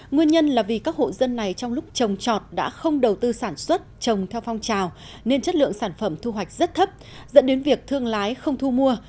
nguyên nhân là vì các hộ dân này trong lúc trồng trọt đã không đầu tư sản xuất trồng theo phong trào nên chất lượng sản phẩm thu hoạch rất thấp dẫn đến việc thương lái không thu mua